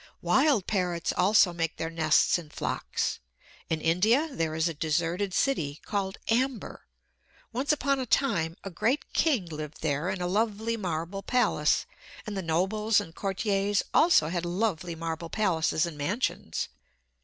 Wild parrots also make their nests in flocks. In India there is a deserted city called Amber. Once upon a time a great King lived there in a lovely marble palace; and the nobles and courtiers also had lovely marble palaces and mansions.